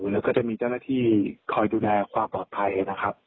แล้วก็จะมีเจ้าหน้าที่คอยดูแลความปลอดภัยนะครับ